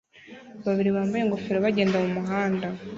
babiri bambaye ingofero bagenda mumuhanda